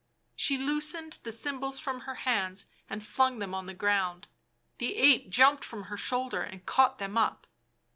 She loosened the cymbals from her hands and flung them on the ground ; the ape jumped from her shoulder and caught them up.